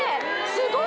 すごい！